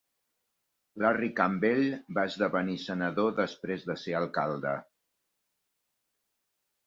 Larry Campbell va esdevenir senador després de ser alcalde.